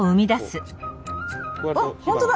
あっ本当だ！